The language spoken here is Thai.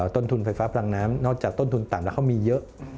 ต้นทุนไฟฟ้าพลังน้ำนอกจากต้นทุนต่ำแล้วเขามีเยอะ